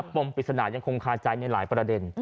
ปมปริศนายังคงคาใจในหลายประเด็น